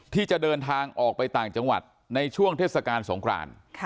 ที่จะเดินทางออกไปต่างจังหวัดในช่วงเทศกาลสงคราน